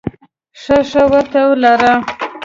ښه ښه ورته لره !